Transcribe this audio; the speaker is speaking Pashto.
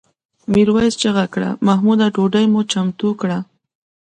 میرويس چیغه کړه محموده ډوډۍ مو چمتو کړه؟